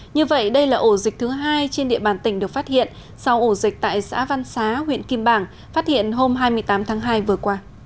như vậy đây là ổ dịch thứ hai trên địa bàn tỉnh được phát hiện sau ổ dịch tại xã văn xá huyện kim bảng phát hiện hôm hai mươi tám tháng hai vừa qua